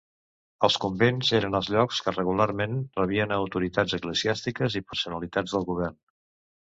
Els convents eren els llocs que regularment rebien a autoritats eclesiàstiques i personalitats del govern.